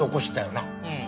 うん。